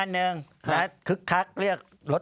ที่ไหนครับพี่พล